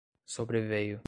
sobreveio